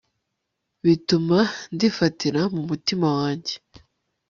bituma ndifatira mu mutima wange